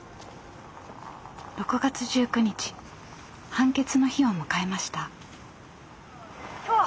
判決の日を迎えました。